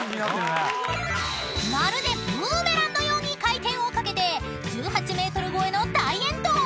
［まるでブーメランのように回転をかけて１８ｍ超えの大遠投］